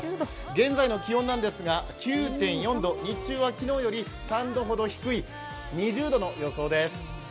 現在の気温なんですが９．４度日中は昨日より３度ほど低い２０度の予想です。